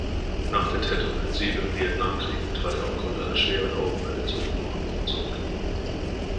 Nach der Tet-Offensive im Vietnamkrieg trat er aufgrund einer schweren Augenverletzung vom Amt zurück.